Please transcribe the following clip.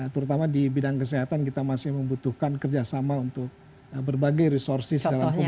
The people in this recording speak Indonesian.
terutama di bidang kesehatan kita masih membutuhkan kerjasama untuk berbagai resorsi dalam pembangunan indonesia